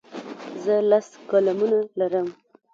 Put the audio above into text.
زه لس قلمونه لرم.